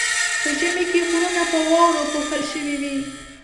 په ژمي کې غرونه په واورو پوښل شوي وي.